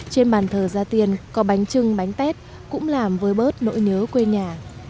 trên bàn thờ gia tiền có bánh trưng bánh tết cũng làm với bớt nỗi nhớ quê nhà